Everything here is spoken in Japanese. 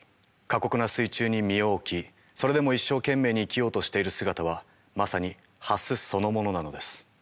過酷な水中に身を置きそれでも一生懸命に生きようとしている姿はまさにハスそのものなのです。